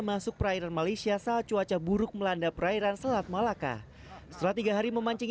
masuk perairan malaysia saat cuaca buruk melanda perairan selat malaka setelah tiga hari memancing